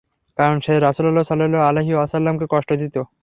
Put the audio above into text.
কারণ, সে রাসূলুল্লাহ সাল্লাল্লাহু আলাইহি ওয়াসাল্লামকে কষ্ট দিত।